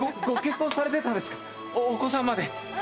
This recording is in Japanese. お子さんまで。